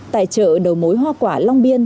tại chợ đầu mối hoa quả long biên